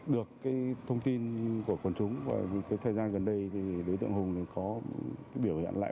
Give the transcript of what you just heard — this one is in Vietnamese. được thông tin của quần chúng thời gian gần đây đối tượng hùng có biểu hiện lại